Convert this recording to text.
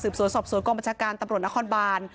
สวนสอบสวนกองบัญชาการตำรวจนครบาน